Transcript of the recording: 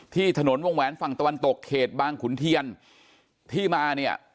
ที่ถนนวงแหวนฝั่งตะวันตกเขตบางขุนเทียนที่มาเนี่ย